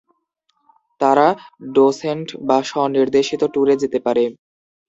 তারা ডোসেন্ট বা স্ব-নির্দেশিত ট্যুরে যেতে পারে।